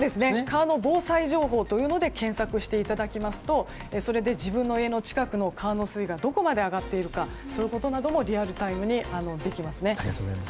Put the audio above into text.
川の防災情報というので検索していただきますとそれで自分の家の川の水位がどこまで上がっているのかそういうことなどもリアルタイムにできますね。